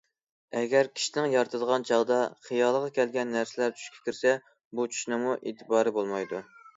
ئەگەر كىشىنىڭ ياتىدىغان چاغدا خىيالىغا كەلگەن نەرسىلەر چۈشىگە كىرسە، بۇ چۈشنىڭمۇ ئېتىبارى بولمايدۇ.